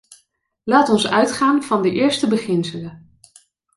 Laat ons uitgaan van de eerste beginselen.